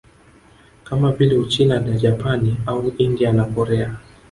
Kama vile Uchina na Japani au India na Korea